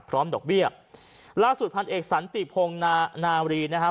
พร้อมดอกเบี้ยล่าสุดภัณฑ์เอกซันติพงฤนานาวีนะฮะ